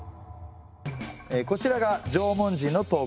こちらが縄文人の頭骨。